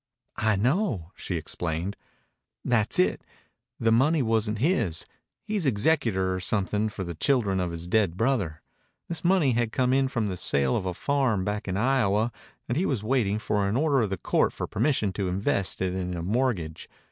"I know," she explained. "That's it. The money wasn't his. He's executor or something for the children of his dead brother. This money had come in from the sale of a farm back in Iowa and he was waiting for an order of the court for permission to invest it in a mortgage.